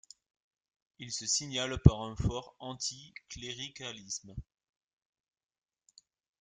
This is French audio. Il se signale par un fort anticléricalisme.